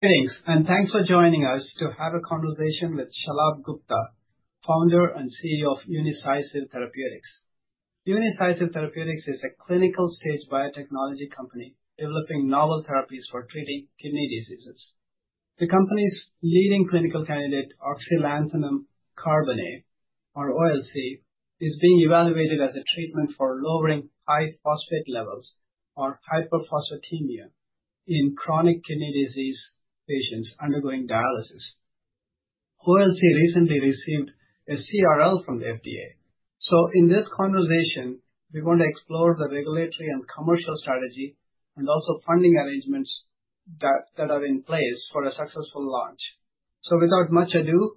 Thanks, thanks for joining us to have a conversation with Shalabh Gupta, Founder and CEO of Unicycive Therapeutics. Unicycive Therapeutics is a clinical-stage biotechnology company developing novel therapies for treating kidney diseases. The company's leading clinical candidate, oxylanthanum carbonate or OLC, is being evaluated as a treatment for lowering high phosphate levels or hyperphosphatemia in chronic kidney disease patients undergoing dialysis. OLC recently received a CRL from the FDA. In this conversation, we're going to explore the regulatory and commercial strategy, and also funding arrangements that are in place for a successful launch. Without much ado,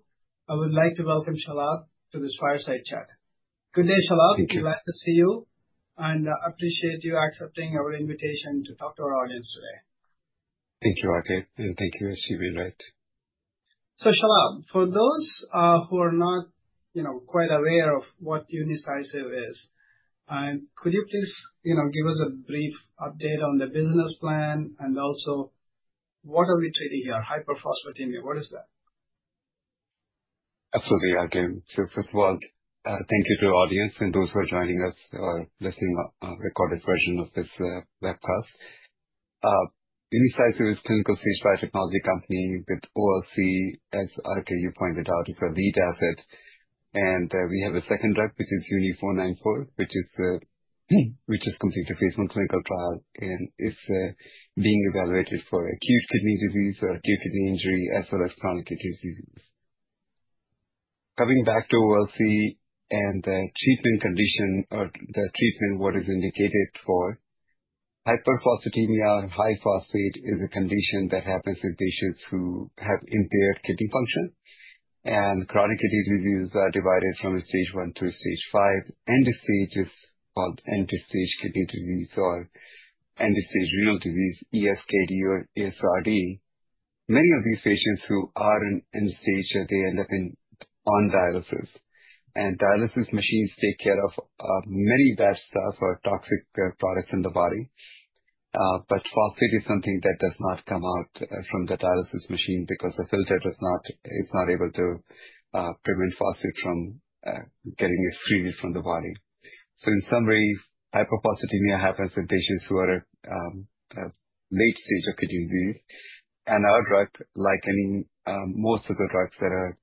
I would like to welcome Shalabh to this fireside chat. Good day, Shalabh. Thank you. It's nice to see you, and I appreciate you accepting our invitation to talk to our audience today. Thank you, R.K., and thank you, H.C. Wainwright. Shalabh, for those who are not quite aware of what Unicycive is, could you please give us a brief update on the business plan, and also what are we treating here? hyperphosphatemia, what is that? Absolutely, R.K. First of all, thank you to audience and those who are joining us or listening recorded version of this webcast. Unicycive is clinical-stage biotechnology company with OLC, as R.K., you pointed out, is our lead asset. We have a second drug, which is UNI-494, which has completed phase I clinical trial, and it's being evaluated for acute kidney disease or acute kidney injury, as well as chronic kidney disease. Coming back to OLC and the treatment condition or the treatment, what is indicated for hyperphosphatemia. High phosphate is a condition that happens with patients who have impaired kidney function. Chronic kidney disease are divided from a stage 1 through stage 5, end-stages, called end-stage kidney disease or end-stage renal disease, ESKD or ESRD. Many of these patients who are in end-stage, they are living on dialysis. Dialysis machines take care of many bad stuff or toxic products in the body. Phosphate is something that does not come out from the dialysis machine because the filter is not able to prevent phosphate from getting freely from the body. In summary, hyperphosphatemia happens in patients who are at late stage of kidney disease. Our drug, like most of the drugs that are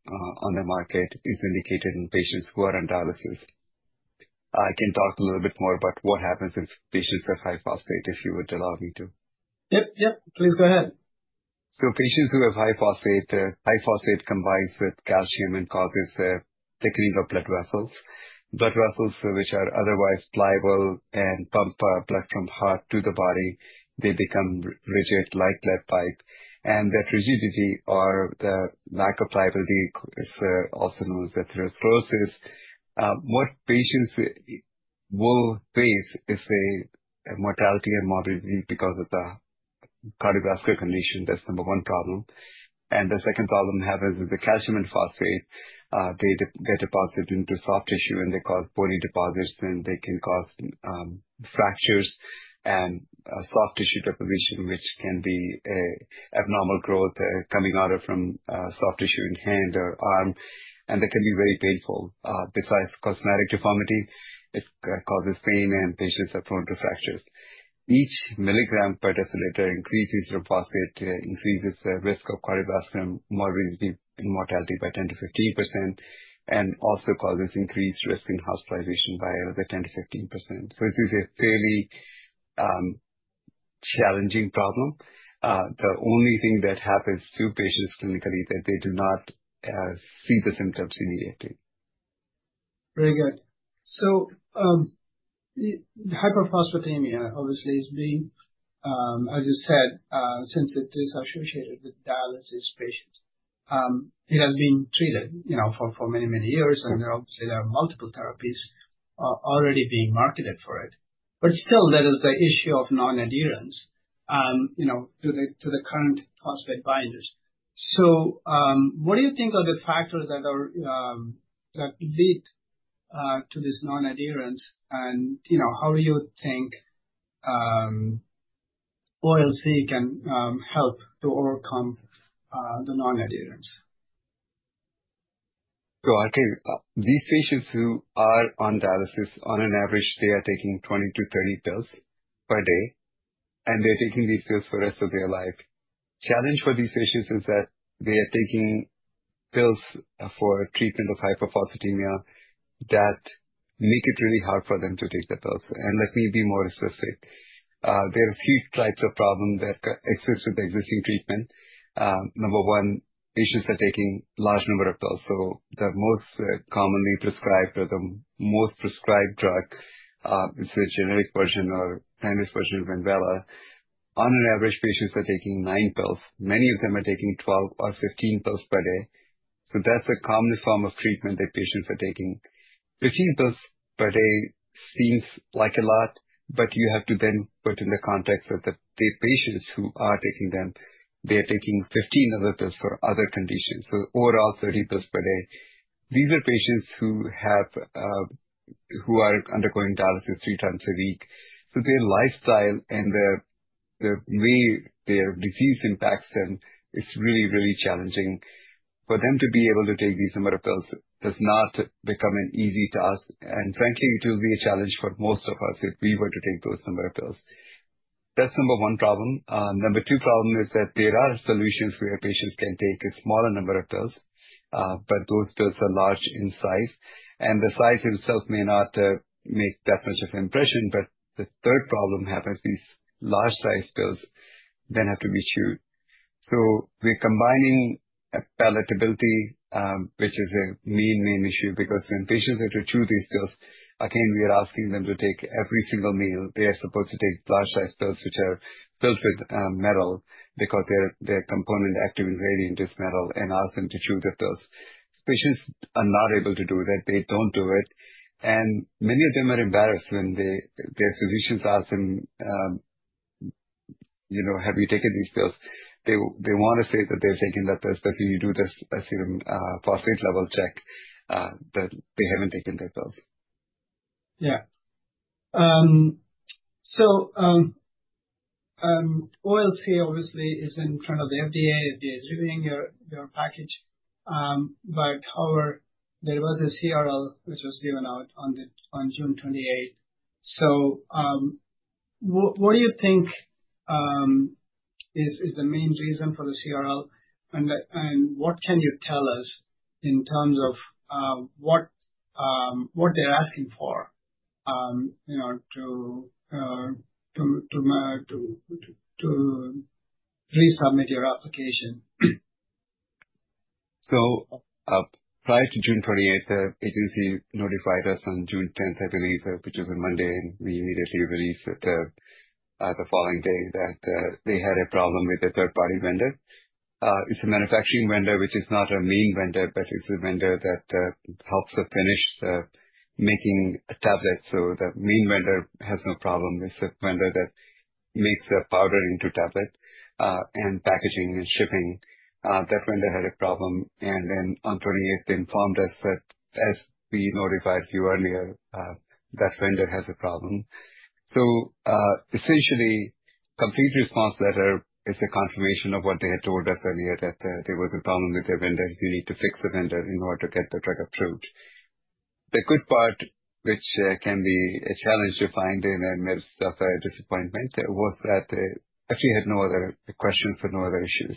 on the market, is indicated in patients who are on dialysis. I can talk a little bit more about what happens if patients have high phosphate, if you would allow me to. Yep. Please go ahead. Patients who have high phosphate, high phosphate combines with calcium and causes thickening of blood vessels. Blood vessels which are otherwise pliable and pump blood from heart to the body, they become rigid like lead pipe. That rigidity or the lack of pliability is also known as atherosclerosis. What patients will face is a mortality and morbidity because of the cardiovascular condition. That's number one problem. The second problem happens is the calcium and phosphate, they get deposited into soft tissue, and they cause bony deposits, and they can cause fractures and soft tissue deposition, which can be abnormal growth coming out from soft tissue in hand or arm, and that can be very painful. Besides cosmetic deformity, it causes pain, and patients are prone to fractures. Each milligram per deciliter increase in serum phosphate increases risk of cardiovascular morbidity and mortality by 10%-15%, and also causes increased risk in hospitalization by another 10%-15%. It is a fairly challenging problem. The only thing that happens to patients clinically is that they do not see the symptoms immediately. Very good. Hyperphosphatemia obviously is being, as you said, since it is associated with dialysis patients, it has been treated for many, many years, and obviously there are multiple therapies already being marketed for it. Still, there is the issue of non-adherence to the current phosphate binders. What do you think are the factors that lead to this non-adherence, and how do you think OLC can help to overcome the non-adherence? R.K., these patients who are on dialysis, on an average, they are taking 20 to 30 pills per day, and they're taking these pills for the rest of their life. Challenge for these patients is that they are taking pills for treatment of hyperphosphatemia that make it really hard for them to take the pills. Let me be more specific. There are few types of problem that exists with the existing treatment. Number one, patients are taking large number of pills. The most commonly prescribed or the most prescribed drug, it's a generic version or brand is version Renvela. On an average, patients are taking nine pills. Many of them are taking 12 or 15 pills per day. That's a common form of treatment that patients are taking. 15 pills per day seems like a lot, but you have to then put in the context of the patients who are taking them. They are taking 15 other pills for other conditions. Overall, 30 pills per day. These are patients who are undergoing dialysis three times a week. Their lifestyle and the way their disease impacts them, it's really challenging. For them to be able to take these number of pills does not become an easy task. Frankly, it will be a challenge for most of us if we were to take those number of pills. That's number one problem. Number two problem is that there are solutions where patients can take a smaller number of pills. Those pills are large in size, and the size itself may not make that much of an impression, but the third problem happens, these large size pills then have to be chewed. We're combining palatability, which is a main issue, because when patients have to chew these pills, again, we are asking them to take every single meal, they are supposed to take large size pills, which are filled with metal because their component active ingredient is metal, and ask them to chew the pills. Patients are not able to do that. They don't do it. Many of them are embarrassed when their physicians ask them, "Have you taken these pills?" They want to say that they're taking the pills, but when you do the serum phosphate level check, that they haven't taken their pills. Yeah. OLC obviously is in front of the FDA. They're reviewing your package. However, there was a CRL which was given out on June 28th. What do you think is the main reason for the CRL? What can you tell us in terms of what they're asking for to resubmit your application? Prior to June 28th, the agency notified us on June 10th, I believe, which was a Monday, and we immediately released the following day that they had a problem with a third-party vendor. It's a manufacturing vendor which is not a main vendor, but it's a vendor that helps us finish making a tablet. The main vendor has no problem. It's a vendor that makes the powder into tablet, and packaging and shipping. That vendor had a problem. On 28th, informed us that, as we notified you earlier, that vendor has a problem. Essentially, Complete Response Letter is a confirmation of what they had told us earlier, that there was a problem with their vendor. You need to fix the vendor in order to get the drug approved. The good part, which can be a challenge to find in a med software disappointment, was that they actually had no other questions or no other issues.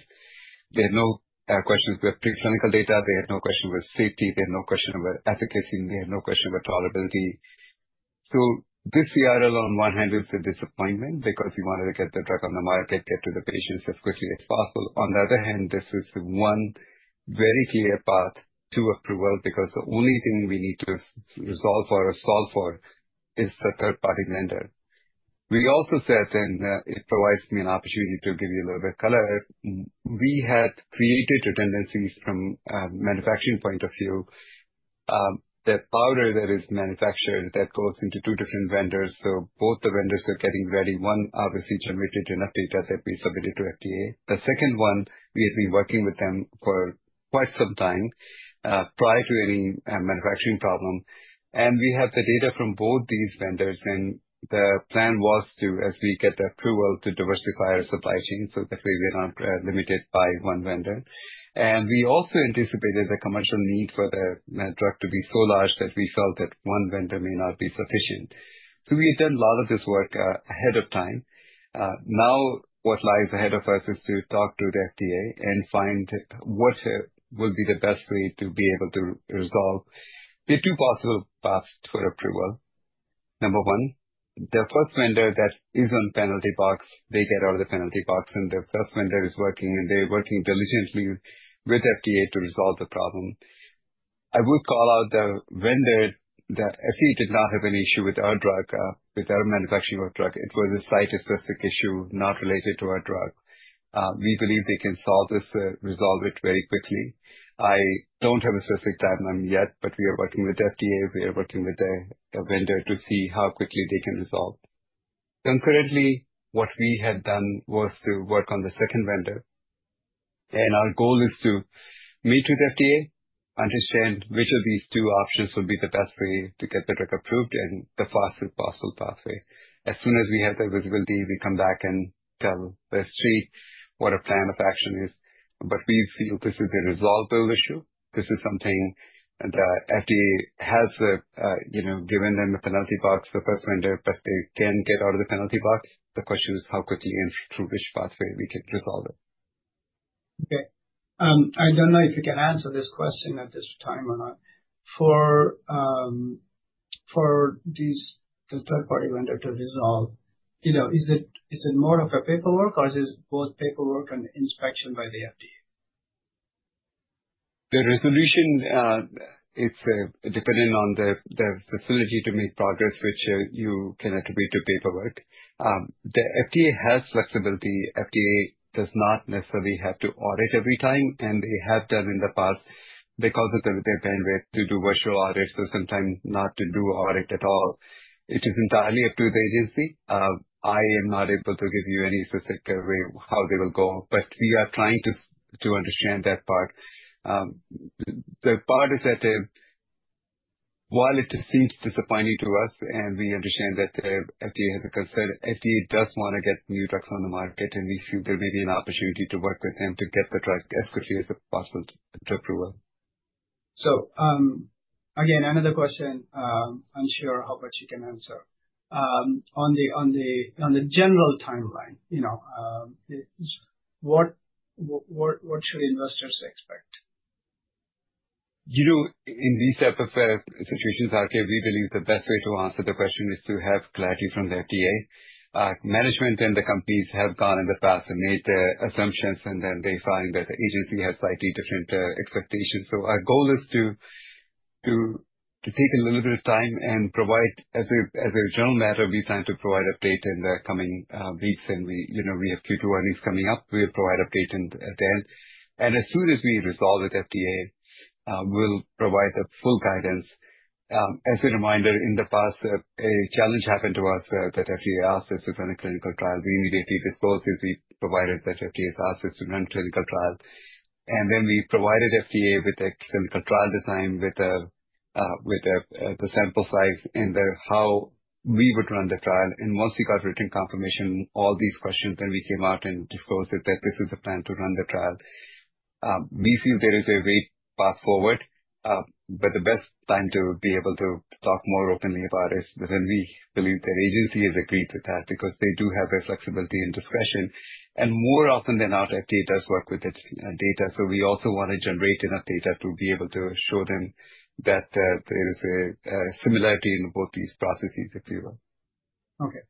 They had no questions with preclinical data. They had no question with safety. They had no question about efficacy, and they had no question about tolerability. This CRL on one hand is a disappointment because we wanted to get the drug on the market, get to the patients as quickly as possible. On the other hand, this is one very clear path to approval because the only thing we need to resolve or solve for is the third-party vendor. We also said, and it provides me an opportunity to give you a little bit of color, we had created redundancies from a manufacturing point of view. The powder that is manufactured, that goes into two different vendors, so both the vendors were getting ready. One obviously generated enough data that we submitted to FDA. The second one, we had been working with them for quite some time, prior to any manufacturing problem. We have the data from both these vendors, and the plan was to, as we get the approval, to diversify our supply chain so that way we are not limited by one vendor. We also anticipated the commercial need for the drug to be so large that we felt that one vendor may not be sufficient. We had done a lot of this work ahead of time. Now, what lies ahead of us is to talk to the FDA and find what will be the best way to be able to resolve the two possible paths to approval. Number one, the first vendor that is on penalty box, they get out of the penalty box and the first vendor is working, and they're working diligently with FDA to resolve the problem. I would call out the vendor that actually did not have any issue with our drug, with our manufacturing of drug. It was a site-specific issue, not related to our drug. We believe they can solve this, resolve it very quickly. I don't have a specific timeline yet, but we are working with FDA, we are working with a vendor to see how quickly they can resolve. Concurrently, what we had done was to work on the second vendor, and our goal is to meet with FDA, understand which of these two options will be the best way to get the drug approved and the fastest possible pathway. As soon as we have that visibility, we come back and tell the street what our plan of action is. We feel this is a resolvable issue. This is something that FDA has given them a penalty box, the first vendor, but they can get out of the penalty box. The question is how quickly and through which pathway we can resolve it. I don't know if you can answer this question at this time or not. For this third-party vendor to resolve, is it more of a paperwork or is it both paperwork and inspection by the FDA? The resolution, it's dependent on the facility to make progress which you can attribute to paperwork. The FDA has flexibility. FDA does not necessarily have to audit every time, and they have done in the past because of their bandwidth to do virtual audits or sometimes not to do audit at all. It is entirely up to the agency. I am not able to give you any specific way how they will go, but we are trying to understand that part. The part is that while it seems disappointing to us and we understand that the FDA has a concern, FDA does want to get new drugs on the market, and we feel there may be an opportunity to work with them to get the drug as quickly as possible to approval. Again, another question. I'm sure how much you can answer. On the general timeline, what should investors expect? In these type of situations, R.K., we believe the best way to answer the question is to have clarity from the FDA. Management and the companies have gone in the past and made assumptions, and then they find that the agency has slightly different expectations. Our goal is to take a little bit of time and provide. As a general matter, we plan to provide update in the coming weeks. We have Q1 earnings coming up. We'll provide update then. As soon as we resolve with FDA, we'll provide the full guidance. As a reminder, in the past, a challenge happened to us that FDA asked us to run a clinical trial. We immediately disclosed it. We provided that FDA asked us to run clinical trial, and then we provided FDA with a clinical trial design with the sample size and how we would run the trial. Once we got written confirmation, all these questions, we came out and disclosed it that this is the plan to run the trial. We feel there is a way path forward. The best time to be able to talk more openly about it is when we believe the agency has agreed with that because they do have their flexibility and discretion. More often than not, FDA does work with its data. We also want to generate enough data to be able to show them that there is a similarity in both these processes, if you will. Okay.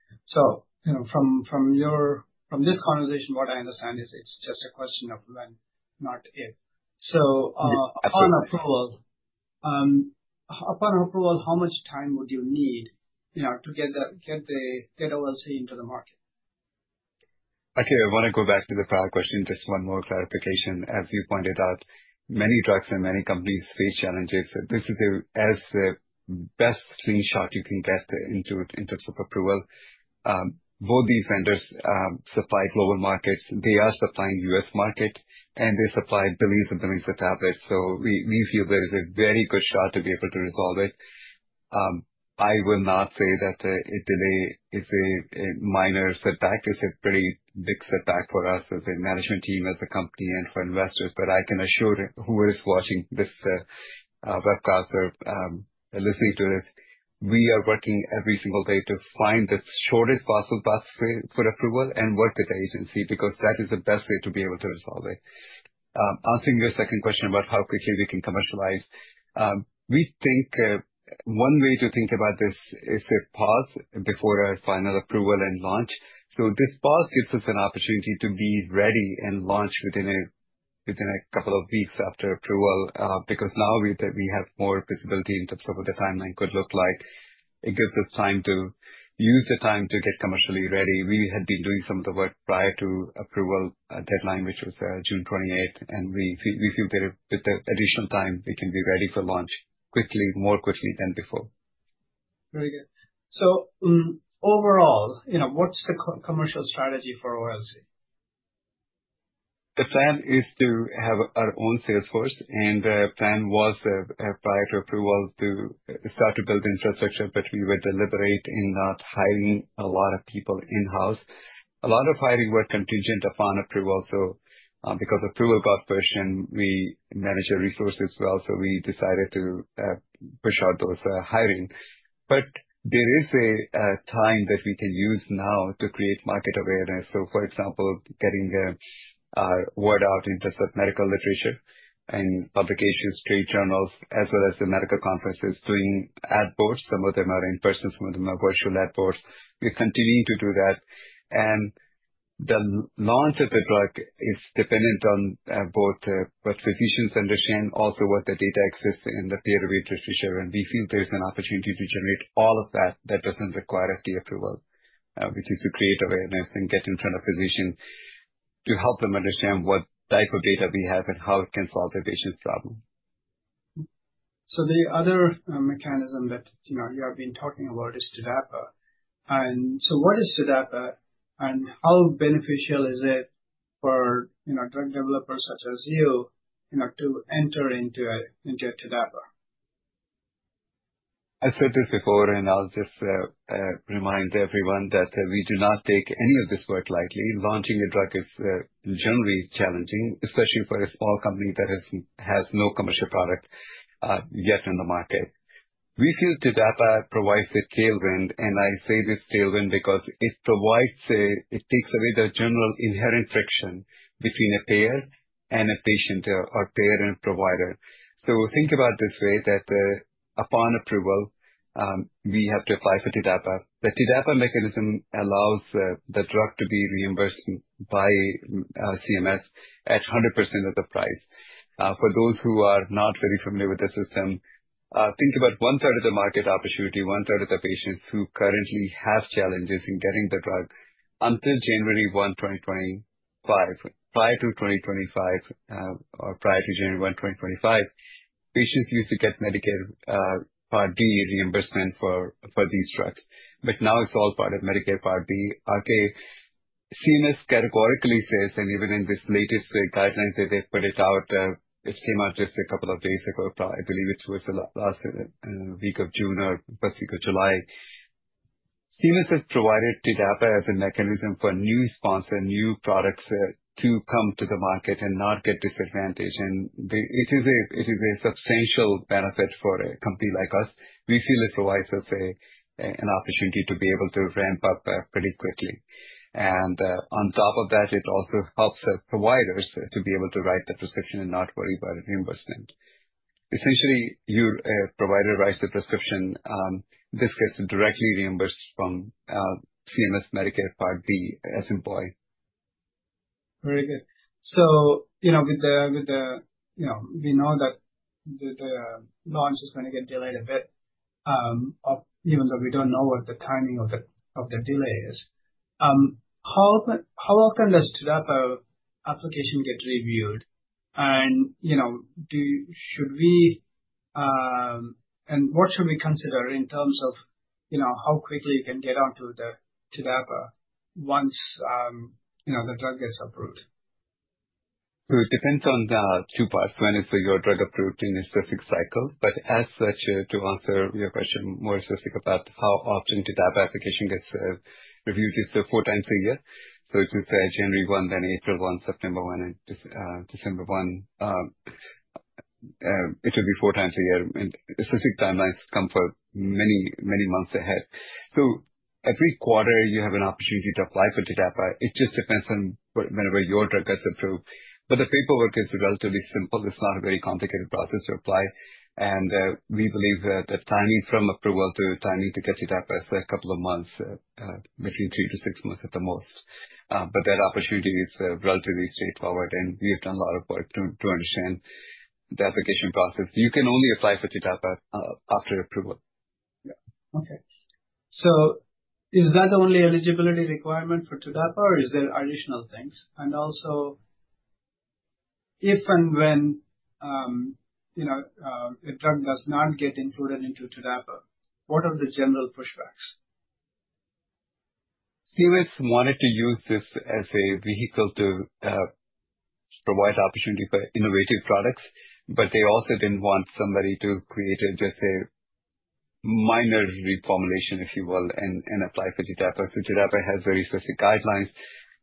From this conversation, what I understand is it's just a question of when, not if. Yes. Absolutely. Upon approval, how much time would you need to get the OLC into the market? Okay. I want to go back to the prior question, just one more clarification. You pointed out, many drugs and many companies face challenges. This is as best clean shot you can get in terms of approval. Both these vendors supply global markets. They are supplying U.S. market, they supply billions of tablets. We feel there is a very good shot to be able to resolve it. I will not say that a delay is a minor setback. It's a pretty big setback for us as a management team, as a company, and for investors. I can assure who is watching this webcast or listening to this. We are working every single day to find the shortest possible pathway for approval and work with the agency because that is the best way to be able to resolve it. Answering your second question about how quickly we can commercialize. One way to think about this is a pause before a final approval and launch. This pause gives us an opportunity to be ready and launch within a couple of weeks after approval. Now we have more visibility in terms of what the timeline could look like. It gives us time to use the time to get commercially ready. We had been doing some of the work prior to approval, deadline which was June 28th, and we feel with the additional time we can be ready for launch more quickly than before. Very good. Overall, what's the commercial strategy for OLC? The plan is to have our own sales force, and the plan was, prior to approval, to start to build infrastructure. We were deliberate in not hiring a lot of people in-house. A lot of hiring were contingent upon approval. Because approval got pushed, and we managed our resources well, so we decided to push out those hiring. There is a time that we can use now to create market awareness. For example, getting word out in terms of medical literature and publications, trade journals, as well as the medical conferences, doing ad posts. Some of them are in-person, some of them are virtual ad posts. We're continuing to do that. The launch of the drug is dependent on both what physicians understand, also what the data exists in the peer-reviewed literature. We feel there's an opportunity to generate all of that. That doesn't require FDA approval, which is to create awareness and get in front of physicians to help them understand what type of data we have and how it can solve their patients' problem. The other mechanism that you have been talking about is TDAPA. What is TDAPA and how beneficial is it for drug developers such as you to enter into TDAPA? I said this before, and I'll just remind everyone that we do not take any of this work lightly. Launching a drug is generally challenging, especially for a small company that has no commercial product yet in the market. We feel TDAPA provides a tailwind, and I say this tailwind because it takes away the general inherent friction between a payer and a patient or payer and provider. Think about this way, that upon approval, we have to apply for TDAPA. The TDAPA mechanism allows the drug to be reimbursed by CMS at 100% of the price. For those who are not very familiar with the system, think about 1/3 of the market opportunity, 1/3 of the patients who currently have challenges in getting the drug until January 1, 2025. Prior to January 1, 2025, patients used to get Medicare Part D reimbursement for these drugs. Now it's all part of Medicare Part D, R.K. CMS categorically says, and even in this latest guidelines that they put out. It came out just a couple of days ago. I believe it was the last week of June or first week of July. CMS has provided TDAPA as a mechanism for a new sponsor, new products to come to the market and not get disadvantaged. It is a substantial benefit for a company like us. We feel it provides us an opportunity to be able to ramp up pretty quickly. On top of that, it also helps providers to be able to write the prescription and not worry about reimbursement. Essentially, your provider writes a prescription, this gets directly reimbursed from CMS Medicare Part B as employed. Very good. We know that the launch is going to get delayed a bit, even though we don't know what the timing of the delay is. How often does TDAPA application get reviewed? What should we consider in terms of how quickly you can get onto the TDAPA once the drug gets approved? It depends on the two parts. One is your drug approved in a specific cycle. As such, to answer your question more specific about how often TDAPA application gets reviewed, it's four times a year. It's January 1, then April 1, September 1, and December 1. It will be four times a year, and specific timelines come for many months ahead. Every quarter you have an opportunity to apply for TDAPA. It just depends on whenever your drug gets approved. The paperwork is relatively simple. It's not a very complicated process to apply, and we believe that the timing from approval to timing to get TDAPA is a couple of months, between 3-6 months at the most. That opportunity is relatively straightforward, and we have done a lot of work to understand the application process. You can only apply for TDAPA after approval. Yeah. Okay. Is that the only eligibility requirement for TDAPA, or is there additional things? Also, if and when a drug does not get included into TDAPA, what are the general pushbacks? CMS wanted to use this as a vehicle to provide opportunity for innovative products, but they also didn't want somebody to create just a minor reformulation, if you will, and apply for TDAPA. TDAPA has very specific guidelines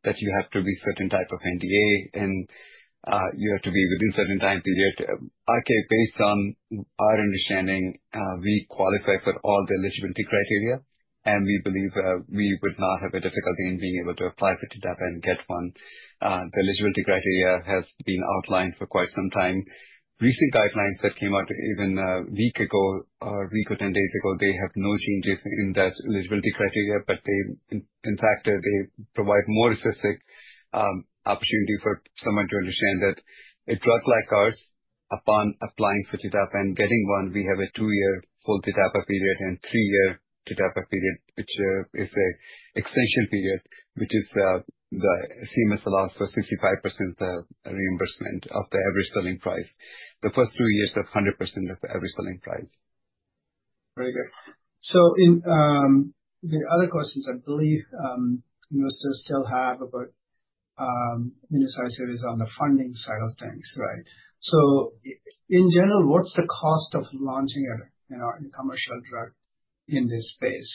that you have to be certain type of NDA, and you have to be within a certain time period. Based on our understanding, we qualify for all the eligibility criteria, and we believe we would not have a difficulty in being able to apply for TDAPA and get one. The eligibility criteria has been outlined for quite some time. Recent guidelines that came out even a week ago or week or 10 days ago, they have no changes in that eligibility criteria. In fact, they provide more specific opportunity for someone to understand that a drug like ours, upon applying for TDAPA and getting one, we have a two-year full TDAPA period and three-year TDAPA period, which is an extension period, which is the CMS allows for 65% reimbursement of the average selling price. The first two years is 100% of the average selling price. Very good. The other questions I believe investors still have about Unicycive is on the funding side of things, right? In general, what's the cost of launching a commercial drug in this space?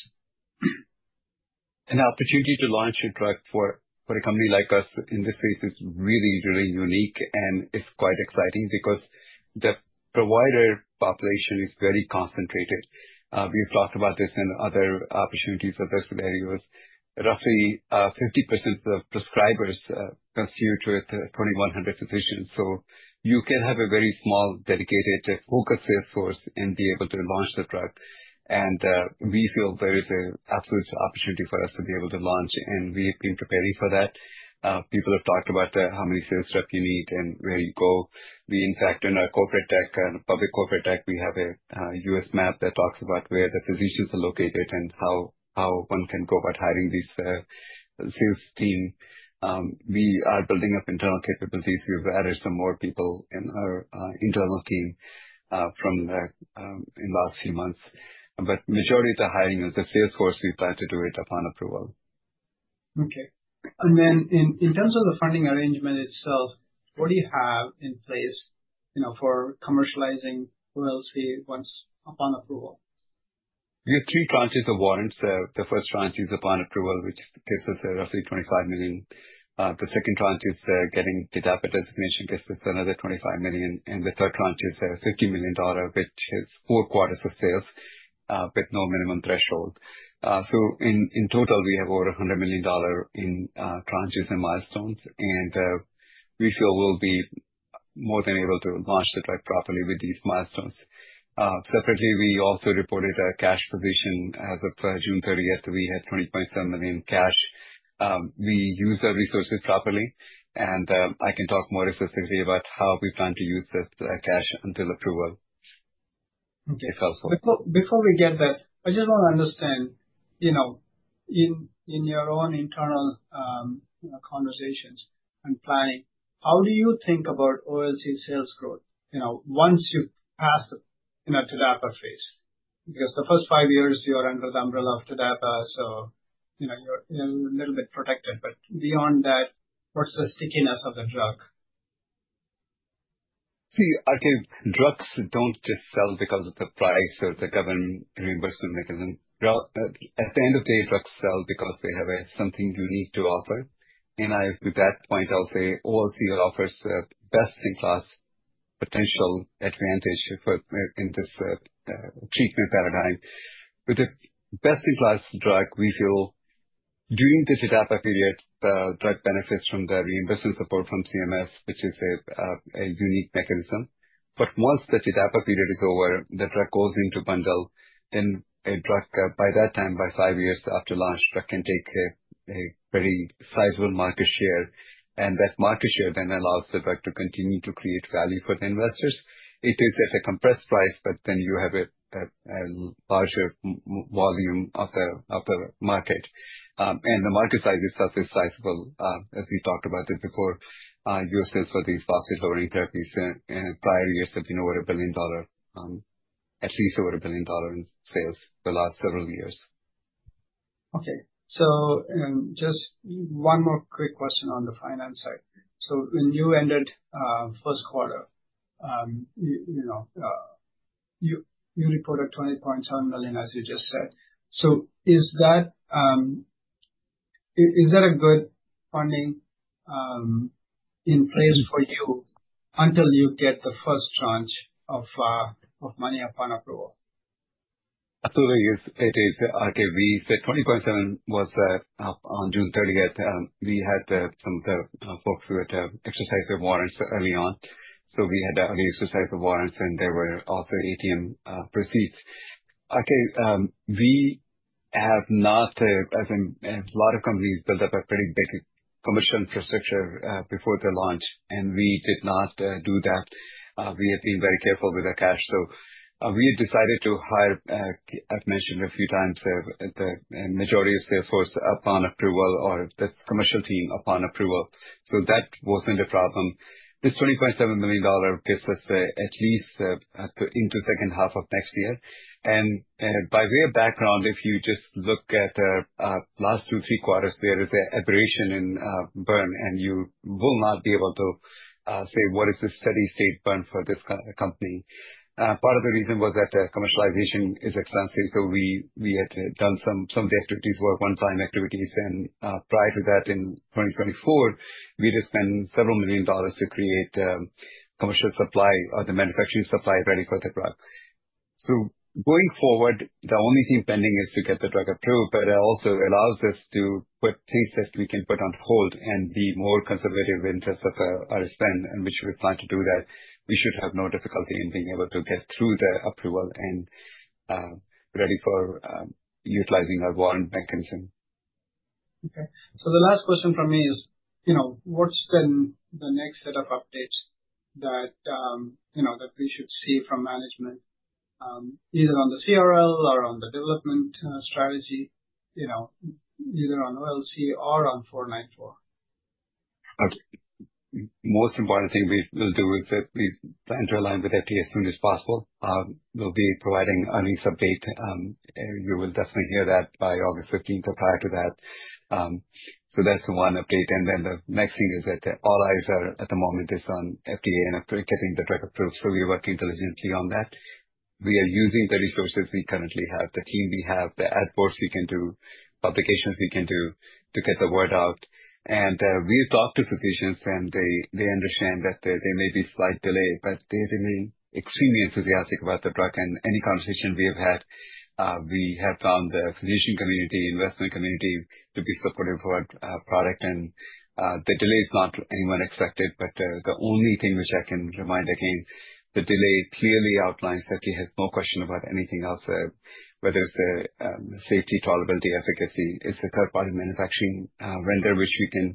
An opportunity to launch a drug for a company like us in this space is really, really unique, and it's quite exciting because the provider population is very concentrated. We've talked about this in other opportunities or scenarios. Roughly 50% of prescribers constitute with 2,100 physicians. You can have a very small, dedicated, focused sales force and be able to launch the drug. We feel there is an absolute opportunity for us to be able to launch, and we've been preparing for that. People have talked about how many sales rep you need and where you go. We, in fact, in our public corporate deck, we have a U.S. map that talks about where the physicians are located and how one can go about hiring these sales team. We are building up internal capabilities. We've added some more people in our internal team in the last few months. Majority of the hiring of the sales force, we plan to do it upon approval. Okay. In terms of the funding arrangement itself, what do you have in place for commercializing OLC once upon approval? We have three tranches of warrants. The first tranche is upon approval, which gives us roughly $25 million. The second tranche is getting TDAPA designation, gets us another $25 million, and the third tranche is $50 million, which is four quarters of sales with no minimum threshold. In total, we have over $100 million in tranches and milestones, and we feel we'll be more than able to launch the drug properly with these milestones. Separately, we also reported our cash position. As of June thirtieth, we had $20.7 million in cash. We use our resources properly, and I can talk more specifically about how we plan to use this cash until approval. Okay. Before we get there, I just want to understand in your own internal conversations and planning, how do you think about OLC sales growth once you pass the TDAPA phase? The first five years, you're under the umbrella of TDAPA, so you're a little bit protected. Beyond that, what's the stickiness of the drug? See, R.K., drugs don't just sell because of the price or the government reimbursement mechanism. At the end of the day, drugs sell because they have something unique to offer. To that point, I'll say OLC offers a best-in-class potential advantage in this treatment paradigm. With a best-in-class drug, we feel during the TDAPA period, the drug benefits from the reimbursement support from CMS, which is a unique mechanism. Once the TDAPA period is over, the drug goes into bundle. By that time, by five years after launch, drug can take a very sizable market share. That market share then allows the drug to continue to create value for the investors. It is at a compressed price, but then you have a larger volume of the market. The market size itself is sizable, as we talked about it before. Usage for these phosphate lowering therapies in prior years have been over $1 billion. At least over $1 billion in sales the last several years. Okay. Just one more quick question on the finance side. When you ended first quarter, you reported $20.7 million, as you just said. Is there a good funding in place for you until you get the first tranche of money upon approval? Absolutely, yes. It is. R.K., we said $20.7 was up on June 30th. We had some of the folks who had exercised their warrants early on. We had early exercise of warrants, and there were also ATM proceeds. R.K., a lot of companies build up a pretty big commercial infrastructure before the launch, and we did not do that. We have been very careful with our cash. We had decided to hire, I've mentioned a few times, the majority of workforce upon approval or the commercial team upon approval. That wasn't a problem. This $20.7 million gets us at least into second half of next year. By way of background, if you just look at last two, three quarters, there is a aberration in burn, and you will not be able to say what is the steady state burn for this kind of a company. Part of the reason was that commercialization is expensive. We had done some of the activities, were one-time activities. Prior to that, in 2024, we did spend several million dollars to create commercial supply or the manufacturing supply ready for the product. Going forward, the only thing pending is to get the drug approved. It also allows us to put things that we can put on hold and be more conservative in terms of our spend and which we plan to do that. We should have no difficulty in being able to get through the approval and ready for utilizing our warrant mechanism. Okay. The last question from me is, what's then the next set of updates that we should see from management, either on the CRL or on the development strategy, either on OLC or on 494? Most important thing we will do is that we plan to align with FDA as soon as possible. We'll be providing earnings update. You will definitely hear that by August 15th or prior to that. That's the one update. The next thing is that all eyes are at the moment just on FDA and getting the drug approved. We are working diligently on that. We are using the resources we currently have, the team we have, the adverts we can do, publications we can do to get the word out. We have talked to physicians, and they understand that there may be slight delay, but they remain extremely enthusiastic about the drug. Any conversation we have had, we have found the physician community, investment community to be supportive toward our product. The delay is not anyone expected, but the only thing which I can remind again, the delay clearly outlines that he has no question about anything else, whether it's the safety, tolerability, efficacy. It's a third-party manufacturing vendor which we can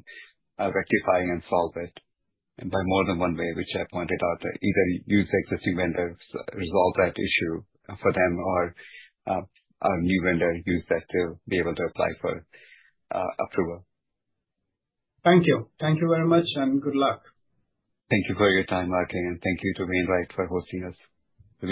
rectify and solve it by more than one way, which I pointed out. Either use the existing vendors, resolve that issue for them, or a new vendor use that to be able to apply for approval. Thank you. Thank you very much and good luck. Thank you for your time, R.K., and thank you to H.C. Wainwright for hosting us.